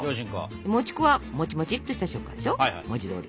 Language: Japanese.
もち粉はもちもちっとした食感でしょ文字どおり。